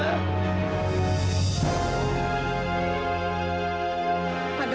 ibu juga nggak tegas sama camilla